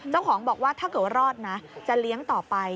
เจ้าของบอกว่าถ้าเกิดว่ารอดนะจะเลี้ยงต่อไป